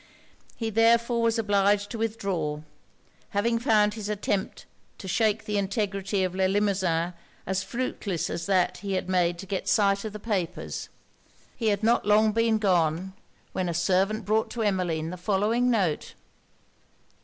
He therefore was obliged to withdraw; having found his attempt to shake the integrity of Le Limosin as fruitless as that he had made to get sight of the papers. He had not long been gone, when a servant brought to Emmeline the following note.